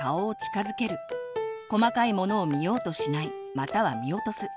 細かいものを見ようとしないまたは見落とす。